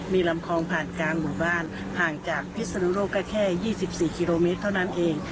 มีลำคลองผ่านกลางหมู่บ้านห่างจากพิศนุโลกก็แค่๒๔กิโลเมตรเท่านั้นเอง